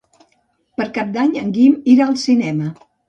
Per Cap d'Any en Guim irà al cinema.